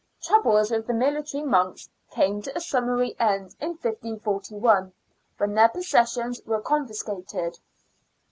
Troubles with the military monks came to a summary end in 1541, when their possessions were confiscated.